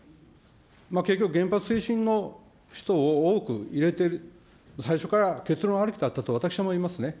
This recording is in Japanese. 結局、原発推進の人を多く入れて、最初から結論ありきだったと私は思いますね。